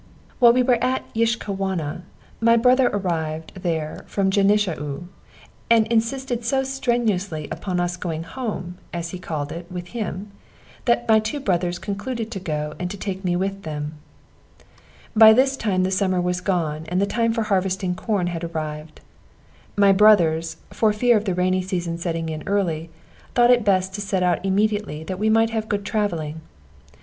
While we were at Yiskahwana, my brother arrived there from Genishau, and insisted so strenuously upon our going home (as he called it) with him, that my two brothers concluded to go, and to take me with them. By this time the summer was gone, and the time for harvesting corn had arrived. My brothers, for fear of the rainy season setting in early, thought it best to set out immediately that we might have good travelling.